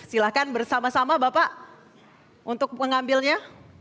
silahkan bersama sama bapak untuk mengambilnya